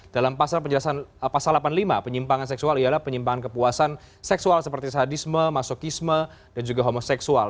dalam pasal penjelasan pasal delapan puluh lima penyimpangan seksual ialah penyimpangan kepuasan seksual seperti sadisme masokisme dan juga homoseksual